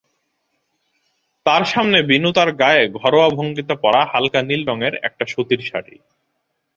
তার সামনে বিনু তার গায়ে ঘরোয়া ভঙ্গিতে পরা হালকা নীল রঙের একটা সুতির শাড়ি।